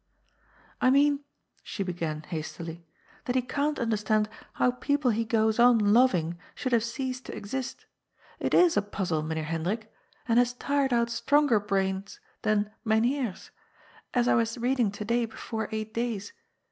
I mean," she began hastily, " that he can't understand 15 226 GOD'S FOOL. how people he goes on loving should have ceased to exist. It is a pnzzle, Meneer Hendrik, and has tired ont stronger brains than Myn Heer's, as I was reading to day before eight days (i.